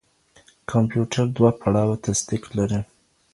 کمپيوټر دوهپړاوه تصديق لري.